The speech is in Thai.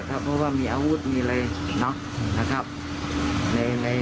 เพราะว่ามีอาวุธมีอะไร